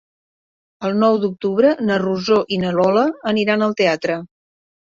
El nou d'octubre na Rosó i na Lola aniran al teatre.